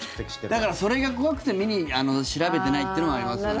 だから、それが怖くて調べてないっていうのもありますね。